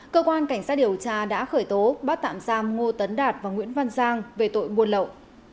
cơ quan cảnh sát điều tra đã khởi tố bắt tạm giam ngô tấn đạt và nguyễn văn giang về tội buôn lậu